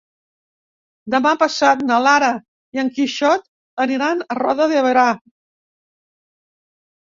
Demà passat na Lara i en Quixot aniran a Roda de Berà.